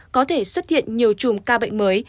có thể xuất hiện nhiều chùm ca bệnh mới